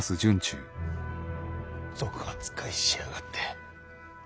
賊扱いしやがって。